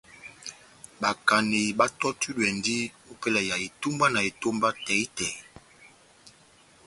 Bakaneyi batɔ́tudwɛndi opɛlɛ ya itumbwana etómba tɛhi-tɛhi.